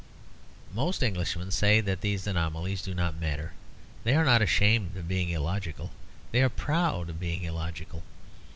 Most Englishmen say that these anomalies do not matter; they are not ashamed of being illogical; they are proud of being illogical.